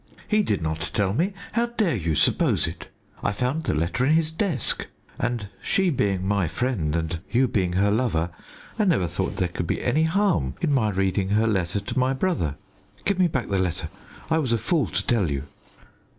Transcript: "He did not tell me. How dare you suppose it? I found the letter in his desk; and she being my friend and you being her lover, I never thought there could be any harm in my reading her letter to my brother. Give me back the letter. I was a fool to tell you."